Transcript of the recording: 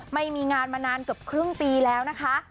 ไม่มีงานมานานเกือบครึ่งปีแล้วนะคะ